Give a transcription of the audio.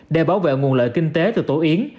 để bảo vệ nguồn lợi kinh tế từ tổ yến